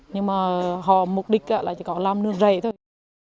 nhưng mà họ mục đích là chỉ có làm nương rầy thôi